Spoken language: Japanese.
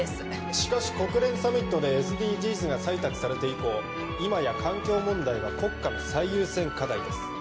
しかし国連サミットでＳＤＧｓが採択されて以降今や環境問題は国家の最優先課題です